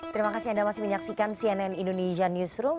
terima kasih anda masih menyaksikan cnn indonesia newsroom